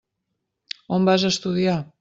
On vas estudiar?